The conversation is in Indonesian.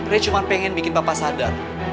rey cuma pengen bikin papa sadar